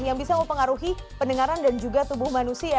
yang bisa mempengaruhi pendengaran dan juga tubuh manusia